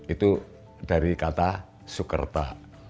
itu dari kata soekerta